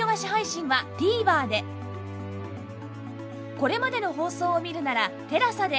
これまでの放送を見るなら ＴＥＬＡＳＡ で